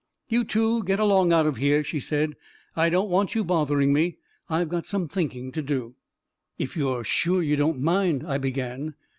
" You two get along out of here," she said. " I don't want you bothering me. I've got some think ing to do." 358 A KING IN BABYLON " If you're sure you don't mind," I began.